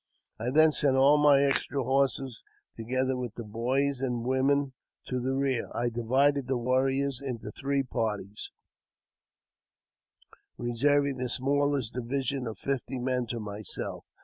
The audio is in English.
I then sent all my extra horses, together with the boys and women, to the rear ; I divided the warriors into three parties, reserving the smallest division of fifty men to myself.